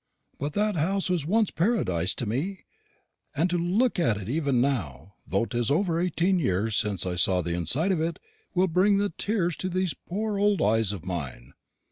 But that house was once paradise to me; and to look at it even now, though 'tis over eighteen years since I saw the inside of it, will bring the tears into these poor old eyes of mine'.